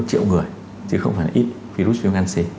chứ không phải là ít virus vnc